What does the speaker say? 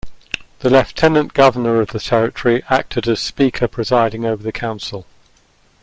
The Lieutenant Governor of the territory acted as Speaker, presiding over the Council.